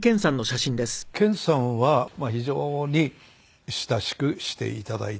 健さんはまあ非常に親しくしていただいて。